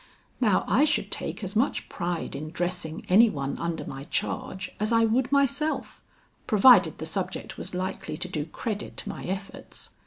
"Now I should take as much pride in dressing any one under my charge as I would myself, provided the subject was likely to do credit to my efforts."